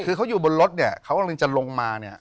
คือเขาอยู่บนรถเนี่ยเขากำลังจะลงมาเนี่ย